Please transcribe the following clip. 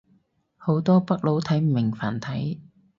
好多北佬睇唔明繁體